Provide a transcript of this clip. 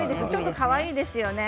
かわいいですよね。